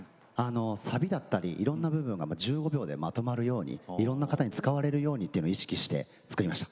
サビだったりいろんな部分が１５秒でまとまるようにいろんな方に使われるようにっていうのを意識して作りました。